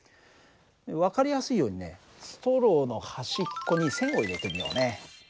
分かりやすいようにねストローの端っこに線を入れてみようね。